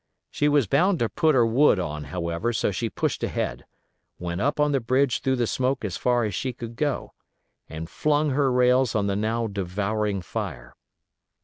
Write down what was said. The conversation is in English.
She was bound to put her wood on, however, so she pushed ahead, went up on the bridge through the smoke as far as she could go, and flung her rails on the now devouring fire.